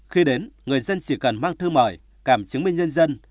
khi đến người dân chỉ cần mang thư mời càm chứng minh nhân dân